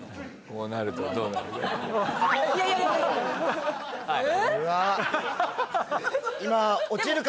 こうなるとどうなる？